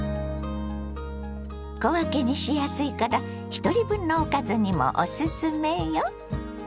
小分けにしやすいからひとり分のおかずにもオススメよ！